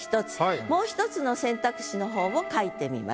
もう一つの選択肢の方を書いてみます。